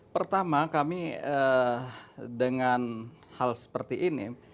pertama kami dengan hal seperti ini